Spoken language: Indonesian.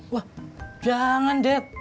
wah jangan det